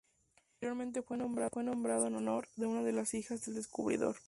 Posteriormente fue nombrado en honor de una de las hijas del descubridor.